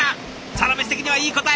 「サラメシ」的にはいい答え。